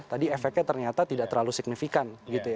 tadi efeknya ternyata tidak terlalu signifikan